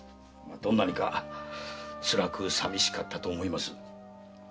どんなにか辛くさびしかったと思います。